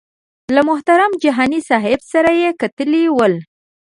له محترم جهاني صاحب سره یې کتلي ول.